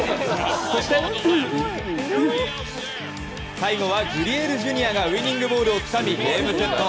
最後は、グリエルＪｒ．がウィニングボールをつかみゲームセット！